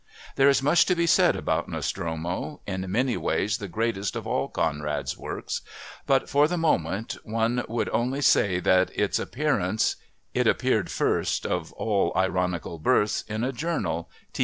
There is much to be said about Nostromo, in many ways the greatest of all Conrad's works, but, for the moment, one would only say that its appearance (it appeared first, of all ironical births, in a journal _T.P.'